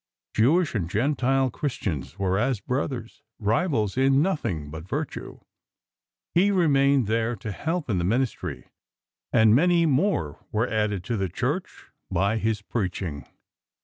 Jewish and Gentile Christians were as brothers, rivals in nothing but virtue. He remained there to help in the ministry, and many more were added to the Church by his preaching.